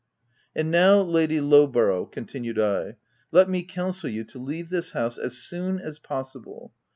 " And now Lady Lowborough," continued I, " let me counsel you to leave this house as soon as possible.